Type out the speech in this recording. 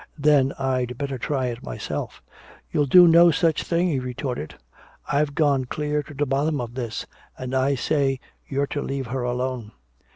"Then I'd better try it myself!" "You'll do no such thing!" he retorted. "I've gone clear to the bottom of this and I say you're to leave her alone!"